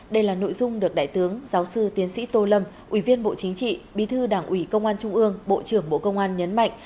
đây là nội dung được đại tướng giáo sư tiến sĩ tô lâm ủy viên bộ chính trị bí thư đảng ủy công an trung ương bộ trưởng bộ công an nhấn mạnh